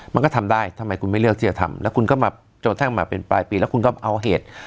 มันก็ทำได้ทำไมคุณไม่เลือกที่จะทำแล้วคุณก็มาจนกระทั่งมาเป็นปลายปีแล้วคุณก็เอาเหตุ